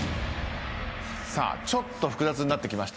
さあちょっと複雑になってきました。